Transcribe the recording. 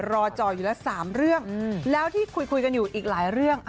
จออยู่ละ๓เรื่องแล้วที่คุยกันอยู่อีกหลายเรื่อง